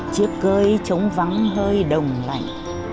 chiếc cơi trống vắng hơi đồng lạnh